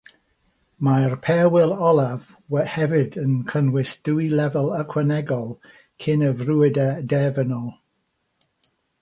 Mae'r Perwyl olaf hefyd yn cynnwys dwy lefel ychwanegol cyn y frwydr derfynol.